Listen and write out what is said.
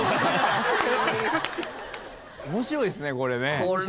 面白いですねこれね。